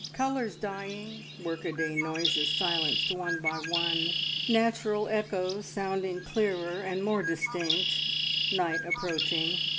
colours dying, workaday noises silenced one by one, natural 9' 132 MRS. DYMOND. echoes sounding clearer and more distinct — night approaching.